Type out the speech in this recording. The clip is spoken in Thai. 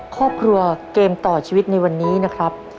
ครอบครัวเกมต่อชีวิตในวันนี้นะครับ